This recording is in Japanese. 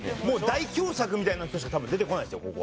もう代表作みたいな人しか多分出てこないですよ